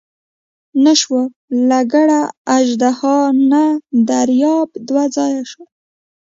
نه شوه لکړه اژدها نه دریاب دوه ځایه شو.